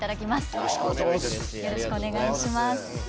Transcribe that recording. よろしくお願いします。